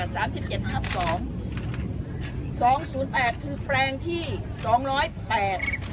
สามสิบเจ็ดทับสองสองศูนย์แปดคือแปลงที่สองร้อยแปด